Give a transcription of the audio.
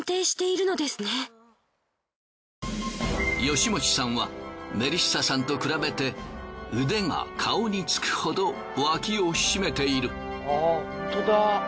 吉用さんはメリッサさんと比べて腕が顔につくほどあぁ本当だ。